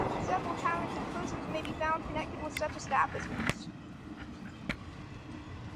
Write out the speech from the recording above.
Several talented persons may be found connected with such establishments.